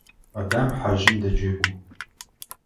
Адам хьэжъым дэджэгу.